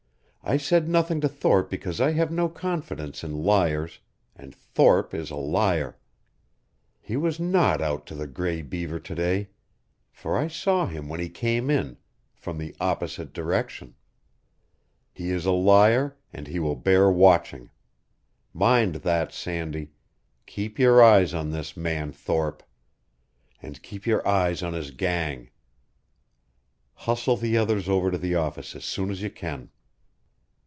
"I said nothing to Thorpe because I have no confidence in liars, and Thorpe is a liar. He was not out to the Gray Beaver to day; for I saw him when he came in from the opposite direction. He is a liar, and he will bear watching. Mind that, Sandy. Keep your eyes on this man Thorpe. And keep your eyes on his gang. Hustle the others over to the office as soon as you can."